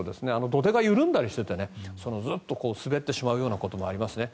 土手が緩んだりしていてつるっと滑ってしまうこともありますね。